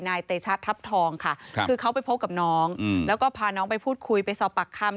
เตชะทัพทองค่ะคือเขาไปพบกับน้องแล้วก็พาน้องไปพูดคุยไปสอบปากคำ